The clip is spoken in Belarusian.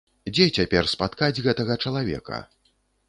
Дзе цяпер спаткаць гэтага чалавека?